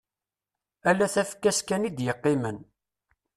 Ala tafekka-s kan i d-yeqqimen.